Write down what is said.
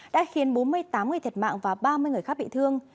vụ việc mạng và ba mươi người khác bị thương